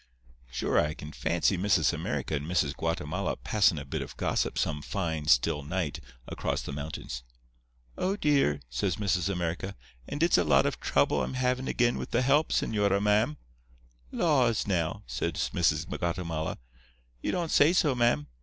Sure I can fancy Missis America and Missis Guatemala passin' a bit of gossip some fine, still night across the mountains. 'Oh, dear,' says Missis America, 'and it's a lot of trouble I'm havin' ag'in with the help, señora, ma'am.' 'Laws, now!' says Missis Guatemala, 'you don't say so, ma'am!